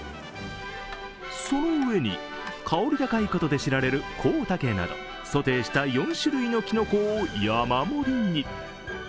その上に香り高いことで知られる香茸など、ソテーした４種類のきのこを山盛りに。